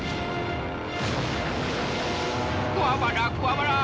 くわばらくわばら！